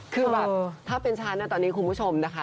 คือแบบถ้าเป็นฉันตอนนี้คุณผู้ชมนะคะ